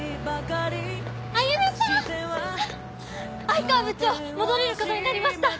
愛川部長戻れる事になりました。